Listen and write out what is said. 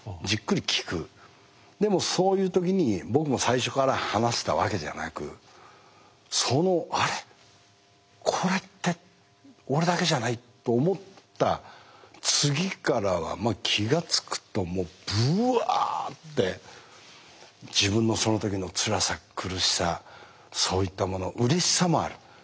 でもそういう時に僕も最初から話せたわけじゃなくそのあれと思った次からは気が付くとぶわって自分のその時のつらさ苦しさそういったものうれしさもある。